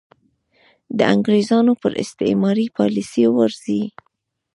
د انګرېزانو پر استعماري پالیسۍ ورځي.